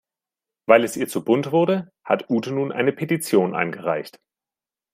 Weil es ihr zu bunt wurde, hat Ute nun eine Petition eingereicht.